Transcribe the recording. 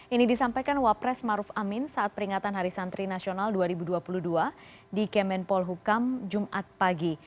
ini disampaikan wapres maruf amin saat peringatan hari santri nasional dua ribu dua puluh dua di kemenpol hukam jumat pagi